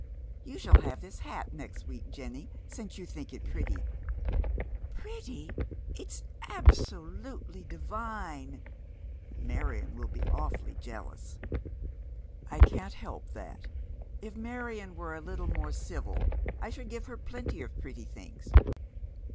You shall have this hat next week, Jenny, since you think it pretty." "Pretty I It's absolutely divhie! Marion will be a vN'fully jealous." _" I can't help that. If Marion were a little more civil I should give her plenty of pretty things.